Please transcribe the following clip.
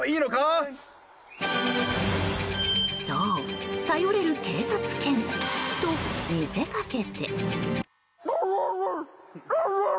そう、頼れる警察犬！と見せかけて。